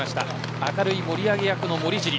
明るい盛り上げ役の森尻。